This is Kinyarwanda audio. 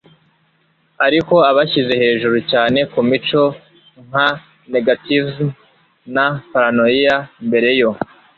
Ariko abashyize hejuru cyane kumico nka negativism na paranoia mbere yo